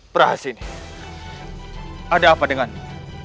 prahasini ada apa denganmu